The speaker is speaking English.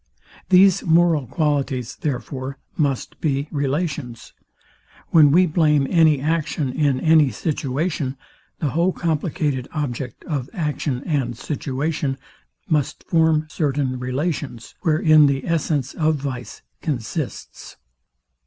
These moral qualities, therefore, must be relations. When we blame any action, in any situation, the whole complicated object, of action and situation, must form certain relations, wherein the essence of vice consists.